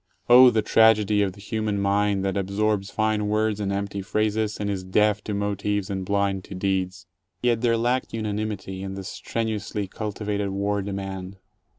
Oh, the tragedy of the human mind that absorbs fine words and empty phrases, and is deaf to motives and blind to deeds! Yet there lacked unanimity in the strenuously cultivated war demand.